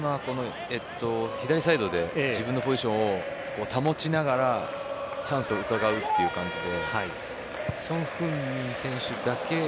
左サイドで自分のポジションを保ちながらチャンスをうかがうという感じでソン・フンミン選手だけ。